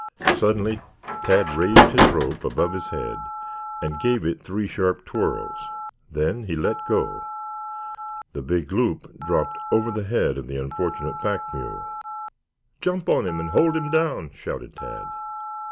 Suddenly Tad raised his rope above his head and gave it three sharp twirls. Then he let go. The big loop dropped over the head of the unfortunate pack mule. "Jump on him and hold him down," shouted Tad.